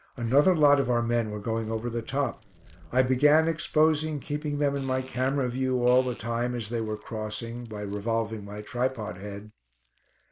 Another lot of our men were going over the top. I began exposing, keeping them in my camera view all the time, as they were crossing, by revolving my tripod head.